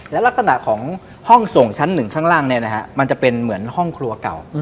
และลักษณะของห้องส่งชั้นหนึ่งข้างล่างมันจะเป็นเหมือนห้องครัวเก่า